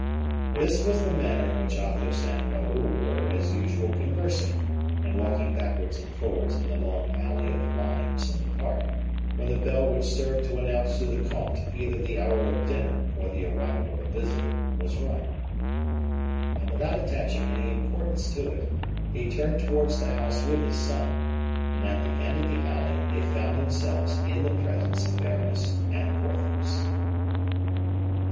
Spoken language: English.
This was the manner in which Athos and Raoul were, as usual, conversing, and walking backwards and forwards in the long alley of limes in the park, when the bell which served to announce to the comte either the hour of dinner or the arrival of a visitor, was rung; and, without attaching any importance to it, he turned towards the house with his son; and at the end of the alley they found themselves in the presence of Aramis and Porthos.